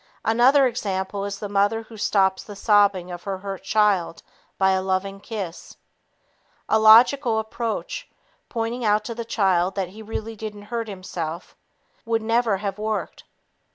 Another example is the mother who stops the sobbing of her hurt child by a loving kiss. A logical approach, pointing out to the child that he really didn't hurt himself, would never have worked.